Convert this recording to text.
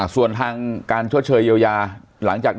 ส่วนทางการทดเชยเยียวยา